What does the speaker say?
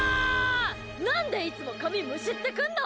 何でいつも髪むしってくんの？